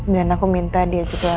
dan aku minta dia juga